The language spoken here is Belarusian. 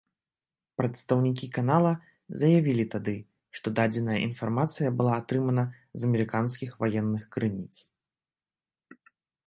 Прадстаўнікі канала заявілі тады, што дадзеная інфармацыя была атрымана з амерыканскіх ваенных крыніц.